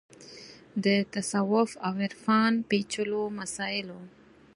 د تصوف او عرفان پېچلو مسایلو